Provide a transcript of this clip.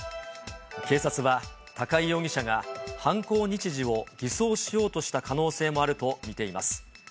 警察は、高井容疑者が犯行日時を偽装しようとした可能性もあると見ています。